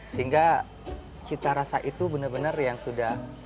sehingga cita rasa itu benar benar yang sudah